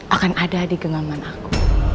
akan ada di genggaman aku